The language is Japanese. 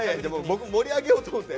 僕盛り上げようと思って。